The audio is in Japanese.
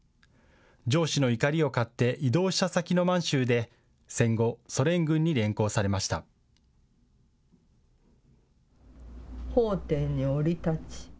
上司の怒りを買って異動した先の満州で戦後、ソ連軍に連行されました。